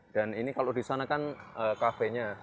dan ini kalau di sana kan cafe nya